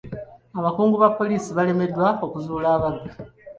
Abakungu ba poliisi baalemeddwa okuzuula ababbi.